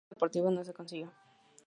El objetivo deportivo no se consiguió.